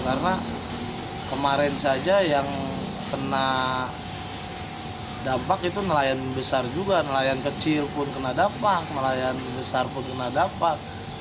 karena kemarin saja yang kena dampak itu nelayan besar juga nelayan kecil pun kena dampak nelayan besar pun kena dampak